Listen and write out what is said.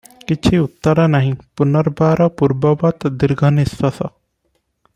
କିଛି ଉତ୍ତର ନାହିଁ, ପୁନର୍ବାର ପୂର୍ବବତ୍ ଦୀର୍ଘ ନିଶ୍ୱାସ ।